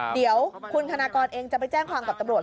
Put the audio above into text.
เดี๋ยวคุณธนากรเองจะไปแจ้งความกับตำรวจ